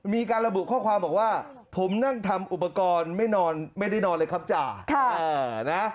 มีการระบุข้อความบอกว่าผมนั่งทำอุปกรณ์ไม่นอนไม่ได้นอนเลยครับจ่านะ